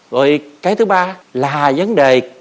rồi cái thứ ba là vấn đề cảnh sát